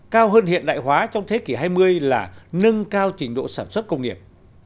cao hơn hiện đại hóa trong thế kỷ hai mươi là nâng cao trình độ sản xuất công nghiệp